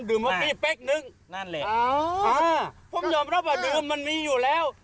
ดื่มไว้ใกล้เต็มนึงนั่นแหละอ่ากะผมยอมรับว่าดื่มมันมีอยู่แล้ว